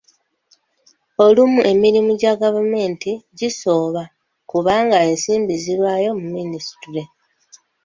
Olumu emirimu gya gavumemti gisooba kubanga ensimbi zirwayo mu Minisitule.